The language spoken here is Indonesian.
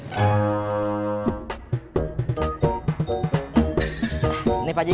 ini pak ji